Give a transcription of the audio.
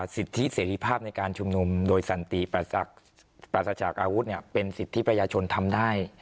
สิทธิเสรีภาพในการชุมนุมโดยสันติปราศจากอาวุธเป็นสิทธิประชาชนทำได้